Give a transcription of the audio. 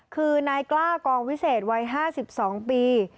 คือนายกล้ากองวิเศษวัย๕๒ปี